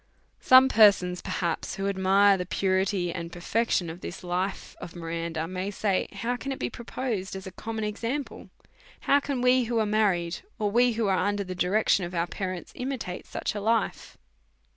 Some persons, perhaps, who admire the purity and perfection of this life of Miranda, may say, how can it be proposed as a common example ! How can we who are married, or we who are under the direction of our parents, imitate such a life